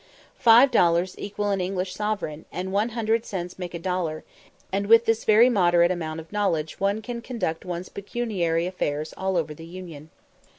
Five dollars equal an English sovereign, and one hundred cents make a dollar, and with this very moderate amount of knowledge one can conduct one's pecuniary affairs all over the Union.